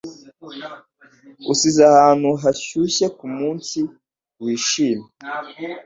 Usize ahantu hashyushye k'umunsi wishimye,